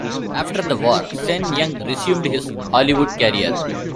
After the war, Sen Yung resumed his Hollywood career.